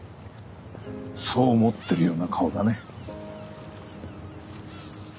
そう思ってるような顔だね。